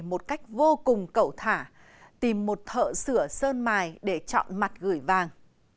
một cách vô cùng cậu thả tìm một thợ sửa sơn mài để chọn mặt gửi vàng